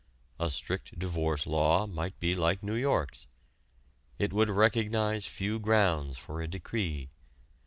A strict divorce law might be like New York's: it would recognize few grounds for a decree.